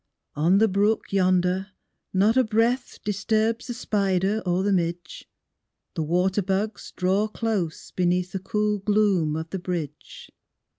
On the brook yonder not a breath Disturbs the spider or the midge. The water bugs draw close beneath The cool gloom of the bridge.